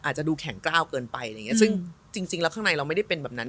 อาจจะดูแข็งกล้าวเกินไปอะไรอย่างเงี้ซึ่งจริงแล้วข้างในเราไม่ได้เป็นแบบนั้น